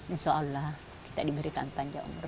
insya allah kita diberikan panjang umur